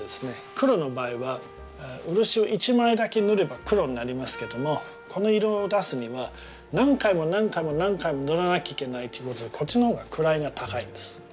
黒の場合は漆を一枚だけ塗れば黒になりますけどもこの色を出すには何回も何回も何回も塗らなきゃいけないということでこっちのほうが位が高いんです。